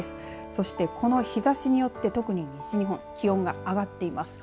そして、この日ざしによって特に西日本気温が上がっています。